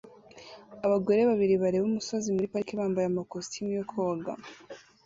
Abagore babiri bareba umusozi muri parike bambaye amakositimu yo koga